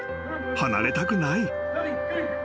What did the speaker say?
［離れたくない］